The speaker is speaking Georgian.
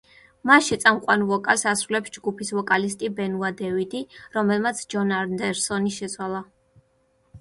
მასში წამყვან ვოკალს ასრულებს ჯგუფის ვოკალისტი ბენუა დევიდი, რომელმაც ჯონ ანდერსონი შეცვალა.